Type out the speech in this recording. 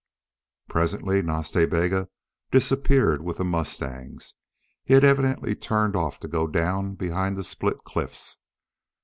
Presently Nas Ta Bega disappeared with the mustangs. He had evidently turned off to go down behind the split cliffs.